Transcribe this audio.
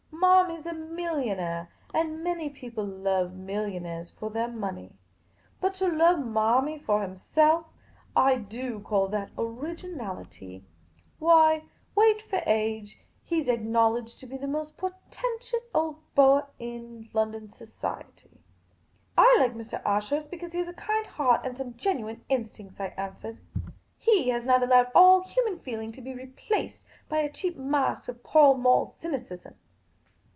Marmy 's a millionaire, and many people love millionaires for their money. But to love Marmy for himself — I do call that originality ! Why, weight for age, he 's acknowledged to be the most portentous old boah in London society !"" I like Mr. Ashurst because he has a kind heart and some genuine instincts," I answered. " He has not allowed all The Pea Green Patrician 217 human feeling to be replaced by a cheap mask of Pall Mall cynicism."